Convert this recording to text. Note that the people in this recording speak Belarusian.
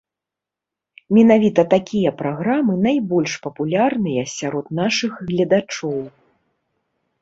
Менавіта такія праграмы найбольш папулярныя сярод нашых гледачоў.